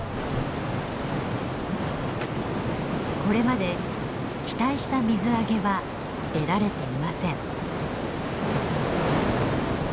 これまで期待した水揚げは得られていません。